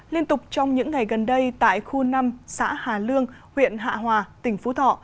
liên tục trong những ngày gần đây tại khu năm xã hà lương huyện hạ hòa tỉnh phú thọ